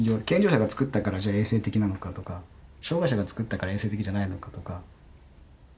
健常者が作ったからじゃあ衛生的なのかとか障害者が作ったから衛生的じゃないのかとか。